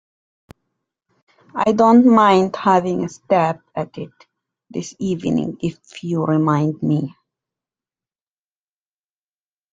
I don't mind having a stab at it this evening if you remind me.